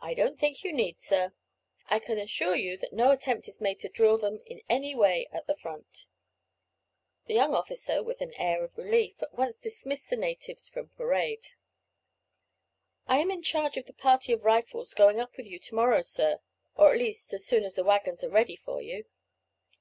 "I don't think you need, sir. I can assure you that no attempt is made to drill them in that way at the front." The young officer, with an air of relief, at once dismissed the natives from parade. "I am in charge of the party of Rifles going up with you to morrow, sir, or at least as soon as the waggons are ready for you."